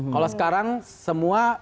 kalau sekarang semua